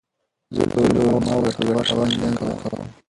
زه له علماوو څخه ګټور شیان زده کوم.